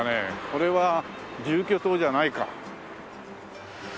これは住居棟じゃないか。